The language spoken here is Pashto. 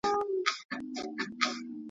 چي هره چېغه پورته کم پاتېږي پر ګرېوان..